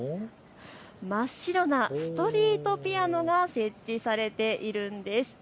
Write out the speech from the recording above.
真っ白なストリートピアノが設置されているんです。